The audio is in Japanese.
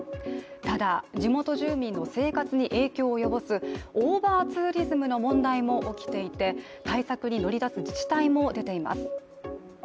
ただ地元住民の生活に影響を及ぼすオーバーツーリズムの問題も起きていて対策に乗り出す自治体も出ています。